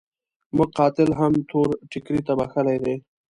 موږ قاتل هم تور ټکري ته بخښلی دی.